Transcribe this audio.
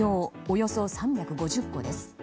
およそ３５０個です。